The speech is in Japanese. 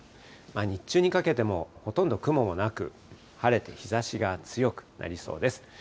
日中にかけても、ほとんど雲もなく、晴れて日ざしが強くなりそうです。